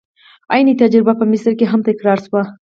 عین تجربه په مصر کې هم تکرار شوه.